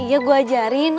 iya gue ajarin